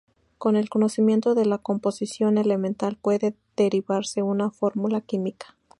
Con el conocimiento de la composición elemental, puede derivarse una fórmula química.